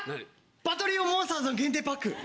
バトリオンモンスターズの限定パック。